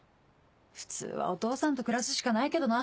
普通はお父さんと暮らすしかないけどな。